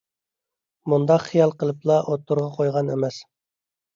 مۇنداق خىيال قىلىپلا ئوتتۇرىغا قويغان ئەمەس.